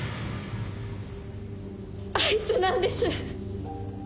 あいつなんです。